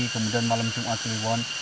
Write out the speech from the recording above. kemudian malam jumat kliwon